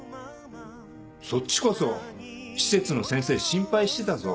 そっちこそ施設の先生心配してたぞ。